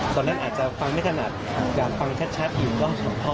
ตอนนั้นอาจจะฟังไม่ถนัดอยากฟังชัดอยู่กล้องสองข้อ